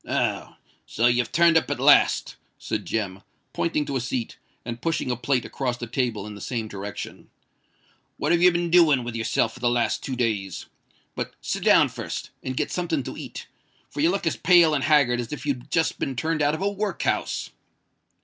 "Oh! so you've turned up at last," said Jem, pointing to a seat, and pushing a plate across the table in the same direction. "What have you been doing with yourself for the last two days? But sit down first, and get something to eat; for you look as pale and haggard as if you'd just been turned out of a workhouse."